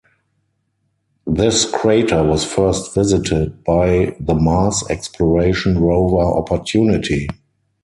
This crater was first visited by the Mars Exploration Rover "Opportunity".